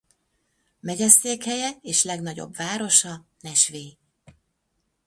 Megyeszékhelye és legnagyobb városa Nashville.